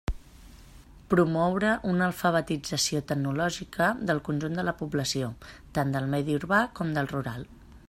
Promoure una alfabetització tecnològica del conjunt de la població, tant del medi urbà com del rural.